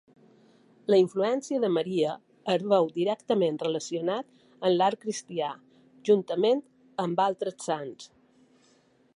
La influència de Maria es veu directament relacionat amb l'art cristià, juntament amb altres sants.